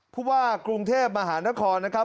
ผู้ว่ากรุงเทพมหานครนะครับ